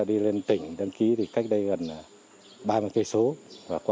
việc đăng ký xe tại địa phương